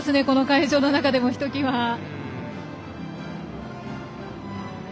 この会場の中でも、ひときわ。